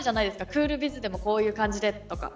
クールビズでもこういう感じでとか。